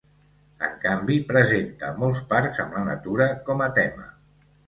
En canvi, presenta molts parcs amb la natura com a tema.